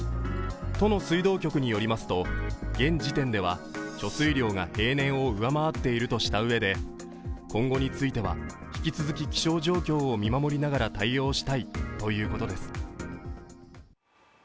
都の水道局によりますと現時点では貯水量が平年を上回っているとしたうえで今後については引き続き気象状況を見守りながら対応したいということです。